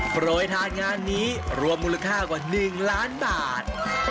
ปล่อยทานงานนี้รวมมูลค่ากว่าหนึ่งล้านบาท